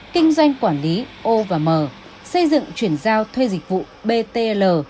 kinh doanh quản lý o và m xây dựng chuyển giao thuê dịch vụ btl